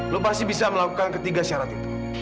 lo pasti bisa melakukan ketiga syarat itu